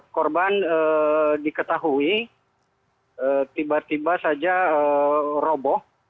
korban diketahui tiba tiba saja roboh